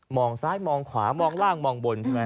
มองซ้ายมองขวามองล่างมองบน